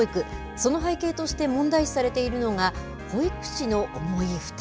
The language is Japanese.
その背景として問題視されているのが、保育士の重い負担。